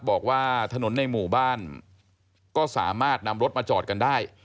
บอกว่าถนนในหมู่บ้านก็สามารถนำรถมาจอดกันได้